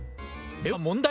では問題。